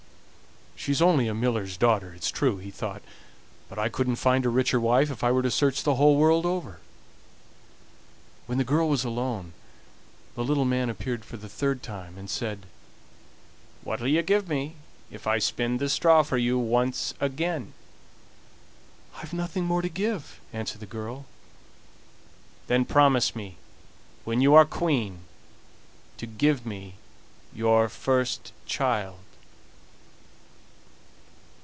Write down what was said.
"She's only a miller's daughter, it's true," he thought; "but I couldn't find a richer wife if I were to search the whole world over." When the girl was alone the little man appeared for the third time, and said: "What'll you give me if I spin the straw for you once again?" "I've nothing more to give," answered the girl. "Then promise me when you are Queen to give me your first child."